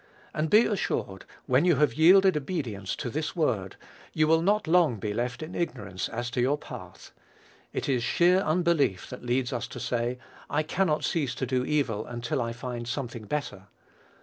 And be assured, when you have yielded obedience to this word, you will not long be left in ignorance as to your path. It is sheer unbelief that leads us to say, "I cannot cease to do evil until I find something better."